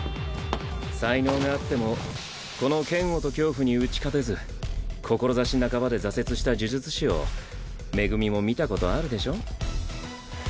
才能があってもこの嫌悪と恐怖に打ち勝てず志半ばで挫折した呪術師を恵も見たことあるでしょ？